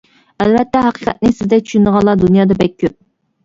ئەلۋەتتە ھەقىقەتنى سىزدەك چۈشىنىدىغانلار دۇنيادا بەك كۆپ.